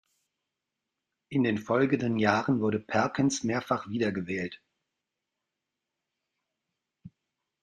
In den folgenden Jahren wurde Perkins mehrmals wiedergewählt.